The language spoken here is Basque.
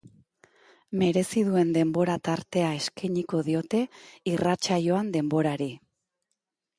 Merezi duen denbora tartea eskeiniko diote irratsaioan denborari.